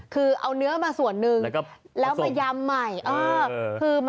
คือเอาเนื้อมาส่วนหนึ่งแล้วมายำใหม่